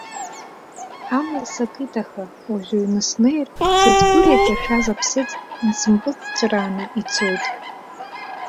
Амлагьы сакит, аха уажәы аҩны снеир сыҵәгәыр иаҿашәаз аԥсыӡ нсымпыҵҵәрааны ицоит.